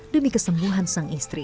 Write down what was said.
demi kesembuhan sang istri